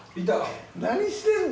何してんの？